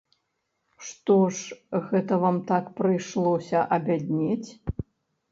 Што ж гэта вам так прыйшлося абяднець?